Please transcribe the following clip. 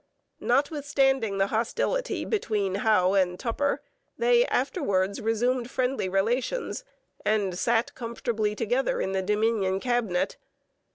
Notwithstanding the hostility between Howe and Tupper, they afterwards resumed friendly relations and sat comfortably together in the Dominion Cabinet.